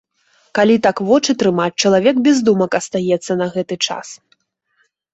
Калі так вочы трымаць, чалавек без думак астаецца на гэты час.